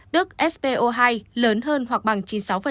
tức spo hai lớn hơn hoặc bằng chín mươi sáu